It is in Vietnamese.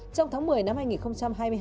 trong tháng một mươi năm hai nghìn hai mươi hai